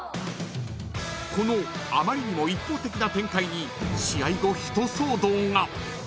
［このあまりにも一方的な展開に試合後］